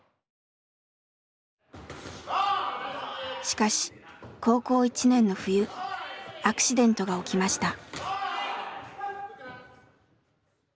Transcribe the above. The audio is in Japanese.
しかし高校１年の冬アクシデントが起きました。